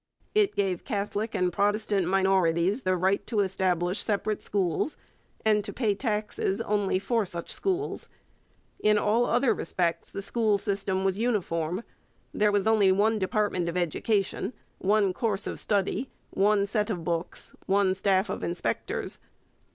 It gave Catholic and Protestant minorities the right to establish separate schools, and to pay taxes only for such schools. In all other respects the school system was uniform; there was only one department of education, one course of study, one set of books, one staff of inspectors.